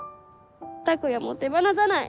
拓哉も手放さない。